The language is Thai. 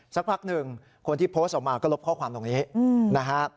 สักพักหนึ่งคนที่โพสต์ออกมาก็ลบข้อความตรงนี้นะฮะ